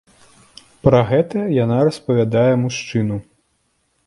Пра гэта яна распавядае мужчыну.